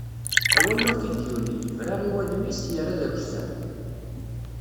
Awal ur t-id-yuli, yebra i wallen-is, yerra d akessar.